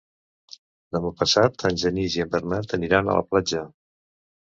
Demà passat en Genís i en Bernat aniran a la platja.